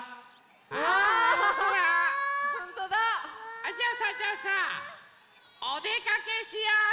あっじゃあさじゃあさおでかけしようよ！